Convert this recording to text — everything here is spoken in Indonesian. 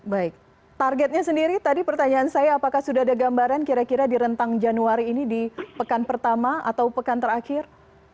baik targetnya sendiri tadi pertanyaan saya apakah sudah ada gambaran kira kira di rentang januari ini di pekan pertama atau pekan terakhir